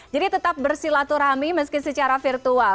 tetap bersilaturahmi meski secara virtual